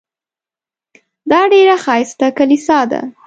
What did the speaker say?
دا ډېره ښایسته کلیسا ده.